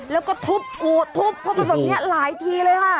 แล้วก็ทุบโอดทุบเข้าไปแบบนี้หลายทีเลยค่ะ